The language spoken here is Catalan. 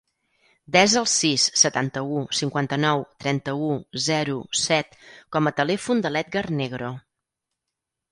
Desa el sis, setanta-u, cinquanta-nou, trenta-u, zero, set com a telèfon de l'Edgar Negro.